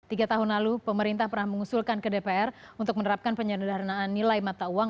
tiga tahun lalu pemerintah pernah mengusulkan ke dpr untuk menerapkan penyederhanaan nilai mata uang